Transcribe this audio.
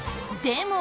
でも。